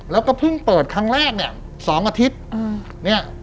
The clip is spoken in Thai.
แล้วก็เพิ่งเปิดครั้งแรกเนี่ย๒อาทิตย์เนี่ย